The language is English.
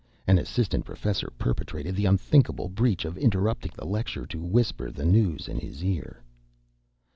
An assistant professor perpetrated the unthinkable breach of interrupting the lecture to whisper the news in his ear.